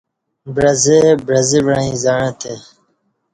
بعزہء بعزہ وعیں زعں تہ